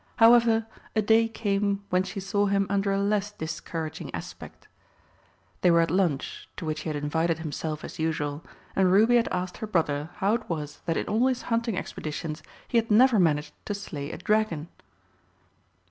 However, a day came when she saw him under a less discouraging aspect. They were at lunch, to which he had invited himself as usual, and Ruby had asked her brother how it was that in all his hunting expeditions he had never managed to slay a dragon.